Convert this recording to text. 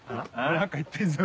何か言ってっぞ。